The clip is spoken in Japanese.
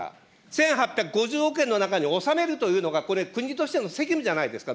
１８５０億円の中に収めるというのが、これ、国としての責務じゃないですか。